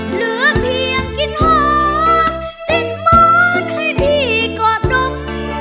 เหลือเพียงกินหอติดหมอให้พี่กอดนม